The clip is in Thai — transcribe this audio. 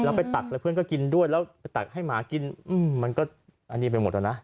แล้วไปตักแล้วเพื่อนก็กินด้วยแล้วไปตักให้หมากินมันก็อันนี้ไปหมดอะนะ